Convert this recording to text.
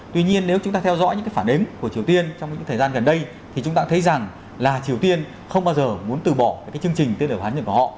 tuy nhiên nếu chúng ta theo dõi những cái phản ứng của triều tiên trong những thời gian gần đây thì chúng ta cũng thấy rằng là triều tiên không bao giờ muốn từ bỏ cái chương trình tên lửa hạt nhân của họ